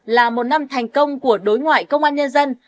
hai nghìn hai mươi ba là một năm thành công của đối ngoại công an nhân dân